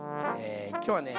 今日はね